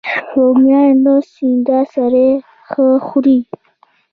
رومیان له سیند سره ښه خوري